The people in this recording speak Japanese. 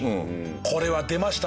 これは出ましたね